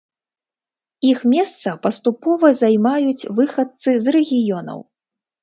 Іх месца паступова займаюць выхадцы з рэгіёнаў.